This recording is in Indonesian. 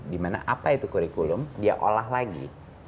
dimana apa itu kurikulum dia olah lagi